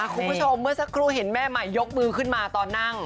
คุณผู้ชมเมื่อสักครู่เห็นแม่ใหม่ยกมือขึ้นมาตอนนั่ง